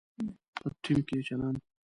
په ټیم کې چلند